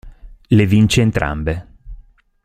Le vince entrambe.